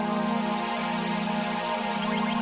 menulis ade kok lah